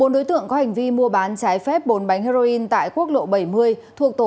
bốn đối tượng có hành vi mua bán trái phép bốn bánh heroin tại quốc lộ bảy mươi thuộc tổ một